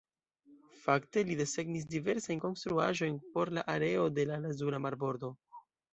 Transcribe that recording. Fakte li desegnis diversajn konstruaĵojn por la areo de la Lazura Marbordo.